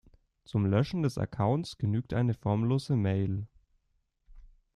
Zum Löschen des Accounts genügt eine formlose Mail.